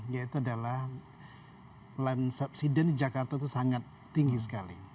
yaitu adalah land subsidence di jakarta itu sangat tinggi sekali